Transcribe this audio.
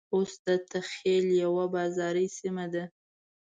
اوس دته خېل يوه بازاري سيمه ده.